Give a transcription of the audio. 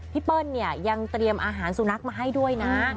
พี่เปิ้ลเนี่ยยังเตรียมอนาคตอนนั้นซูนับมาให้ด้วยนะ